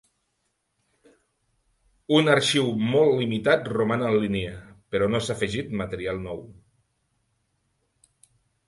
Un arxiu molt limitat roman en línia, però no s'ha afegit material nou.